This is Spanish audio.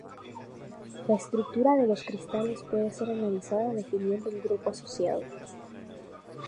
La estructura de los cristales puede ser analizada definiendo un grupo asociado.